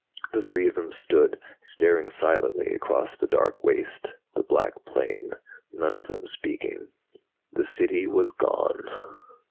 The three of them stood, staring silently across the dark waste, the black plain, none of them speaking. The City was gone.